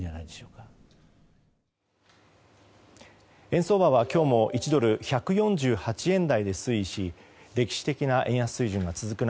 円相場は今日も１ドル＝１４８円台で推移し歴史的な円安水準が続く